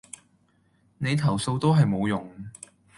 你投訴都係無用